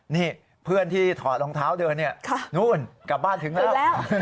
นี่เพื่อนที่ถอดรองเท้าเดินเนี่ยนู่นกลับบ้านถึงแล้ว